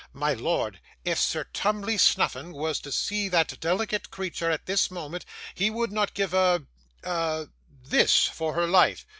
My lord, if Sir Tumley Snuffim was to see that delicate creature at this moment, he would not give a a THIS for her life.